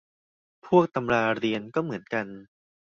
พวกตำราเรียนก็เหมือนกัน